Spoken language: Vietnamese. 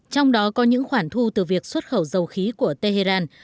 trong đó có những khoản thu từ việc xuất khẩu dầu khí của tehran